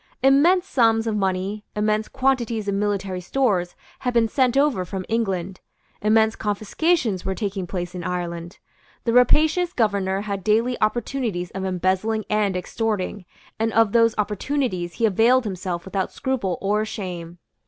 Immense sums of money, immense quantities of military stores had been sent over from England. Immense confiscations were taking place in Ireland. The rapacious governor had daily opportunities of embezzling and extorting; and of those opportunities he availed himself without scruple or shame.